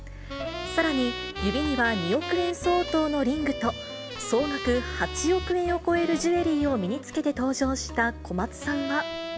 さらに、指には２億円相当のリングと、総額８億円を超えるジュエリーを身につけて登場した小松さんは。